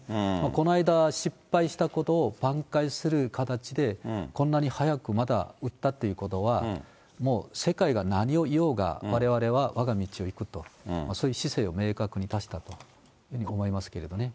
この間失敗したことを挽回する形で、こんなに早くまた撃ったということは、もう世界が何を言おうが、われわれはわが道を行くと、そういう姿勢を明確に出したと思いますけれどね。